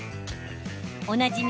おなじみ